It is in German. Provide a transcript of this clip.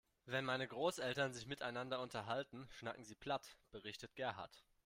Wenn meine Großeltern sich miteinander unterhalten, schnacken sie platt, berichtet Gerhard.